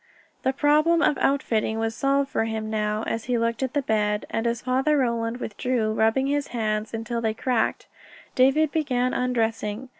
The problem of outfitting was solved for him now, as he looked at the bed, and as Father Roland withdrew, rubbing his hands until they cracked, David began undressing.